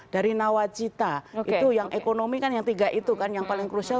dari nawacita itu yang ekonomi kan yang tiga itu kan yang paling krusial